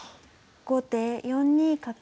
後手４二角。